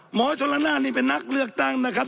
ชนละนานนี่เป็นนักเลือกตั้งนะครับ